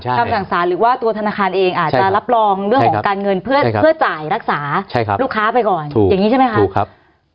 หรือว่าตัวธนาคารเองจะรับรองเรื่องของการเงินเพื่อจ่ายรักษาลูกค้าไปก่อนอย่างนี้ใช่ไหมครับ